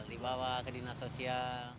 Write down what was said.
dibawa ke dinas sosial